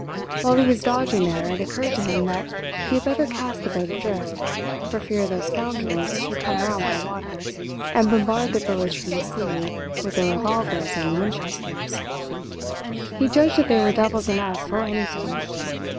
While he was dodging there, it occurred to him that he had better cast the boat adrift, for fear those scoundrels should come round by water and bombard the village from the sea with their revolvers and Winchesters. He judged that they were devils enough for anything.